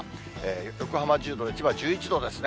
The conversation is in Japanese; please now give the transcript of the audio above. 横浜１０度で千葉１１度ですね。